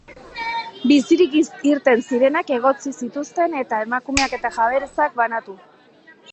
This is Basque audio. Bizirik irten zirenak egotzi zituzten eta emakumeak eta jabetzak banatu.